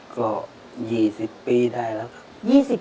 ก็๒๐ปีได้แล้วครับ